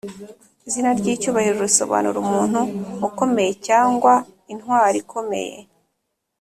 izina ry’icyubahiro risobanura umuntu ukomeyecyangwa “intwari ikomeye”).